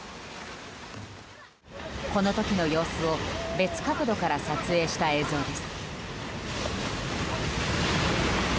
この時の様子を別角度から撮影した映像です。